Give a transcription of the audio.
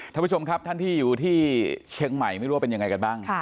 ท่านผู้ชมครับท่านที่อยู่ที่เชียงใหม่ไม่รู้ว่าเป็นยังไงกันบ้าง